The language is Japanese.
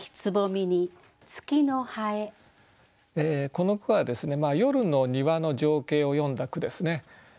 この句は夜の庭の情景を詠んだ句ですね。